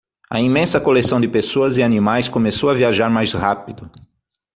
A imensa coleção de pessoas e animais começou a viajar mais rápido.